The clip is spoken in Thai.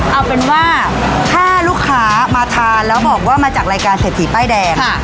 เอาเป็นว่าถ้าลูกค้ามาทานแล้วบอกว่ามาจากรายการเศรษฐีป้ายแดง